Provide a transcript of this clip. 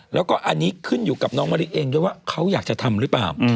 แล้วก็อันนี้ขึ้นอยู่กับน้องมะลิเองด้วยว่าเขาอยากจะทำหรือเปล่า